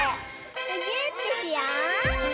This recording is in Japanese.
むぎゅーってしよう！